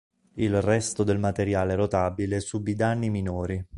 Il resto del materiale rotabile subì danni minori.